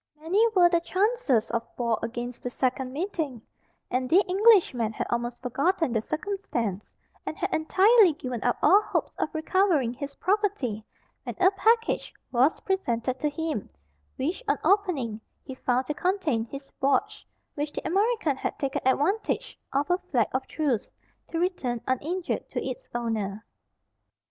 Many were the chances of war against the second meeting, and the Englishman had almost forgotten the circumstance, and had entirely given up all hopes of recovering his property, when a package was presented to him, which, on opening, he found to[Pg 63] contain his watch, which the American had taken advantage of a flag of truce, to return uninjured to its owner.